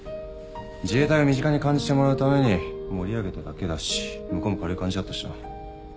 自衛隊を身近に感じてもらうために盛り上げただけだし向こうも軽い感じだったしな。